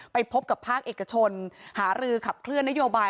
ไปพบกับภาคเอกชนหารือขับเคลื่อนนโยบาย